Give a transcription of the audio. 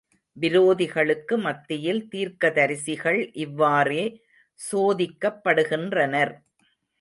விரோதிகளுக்கு மத்தியில் தீர்க்கதரிசிகள் இவ்வாறே சோதிக்கப்படுகின்றனர்.